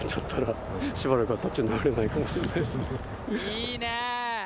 いいね。